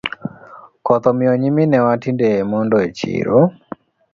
Koth omiyo nyiminewa tinde mondo e chiro.